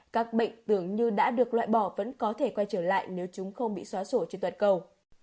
các bệnh tưởng như đã được loại bỏ vẫn có thể quay trở lại nếu chúng không bị xóa sổ trên toàn cầu